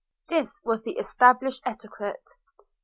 This was the established etiquette.